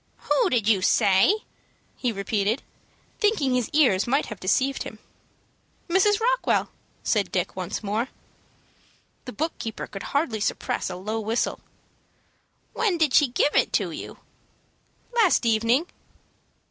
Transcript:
"Who did you say?" he repeated, thinking his ears might have deceived him. "Mrs. Rockwell," said Dick, once more. The book keeper could hardly suppress a low whistle. "When did she give it to you?" "Last evening."